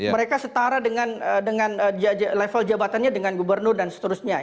mereka setara dengan level jabatannya dengan gubernur dan seterusnya